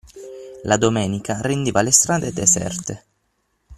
La domenica rendeva le strade deserte.